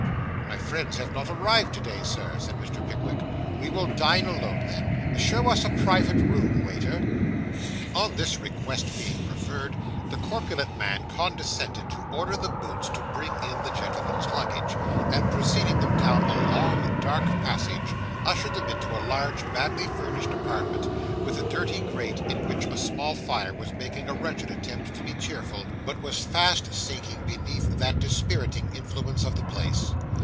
'My friends have not arrived to day, Sir,' said Mr. Pickwick. 'We will dine alone, then. Show us a private room, waiter.' On this request being preferred, the corpulent man condescended to order the boots to bring in the gentlemen's luggage; and preceding them down a long, dark passage, ushered them into a large, badly furnished apartment, with a dirty grate, in which a small fire was making a wretched attempt to be cheerful, but was fast sinking beneath the dispiriting influence of the place.